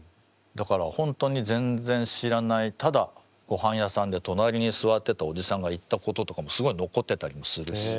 だから本当に全然知らないただごはん屋さんで隣に座ってたおじさんが言ったこととかもすごい残ってたりもするし。